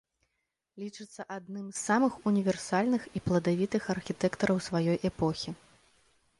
Лічыцца адным з самых універсальных і пладавітых архітэктараў сваёй эпохі.